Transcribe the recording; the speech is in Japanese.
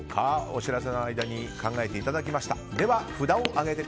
お知らせの間に考えていただきました。